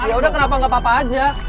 yaudah kenapa gapapa aja